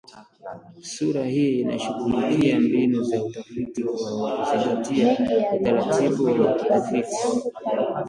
Sura hii inashughulikia mbinu za utafiti kwa kuzingatia utaratibu wa utafiti